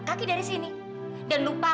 tapi percaya milla